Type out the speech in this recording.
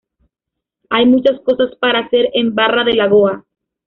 Hay muchas cosas para hacer en Barra de Lagoa.